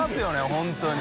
本当に。